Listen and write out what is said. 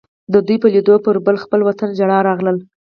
د دوی په لیدو به پر خپل وطن ژړا راغله.